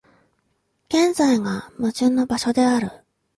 現在が矛盾の場所である。